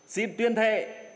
xin tuyên thệ